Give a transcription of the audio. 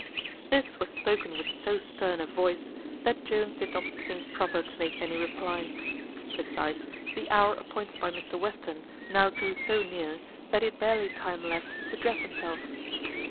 This was spoken with so stern a voice, that Jones did not think proper to make any reply; besides, the hour appointed by Mr Western now drew so near, that he had barely time left to dress himself.